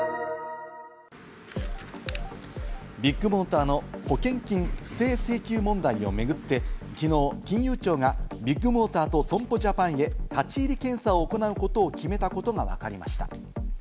ビッグモーターの保険金不正請求問題を巡って、きのう金融庁がビッグモーターと損保ジャパンへ立ち入り検査を行うことを決めたことがわかりました。